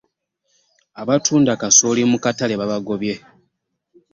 Abatunda kasooli mu katale babagobye.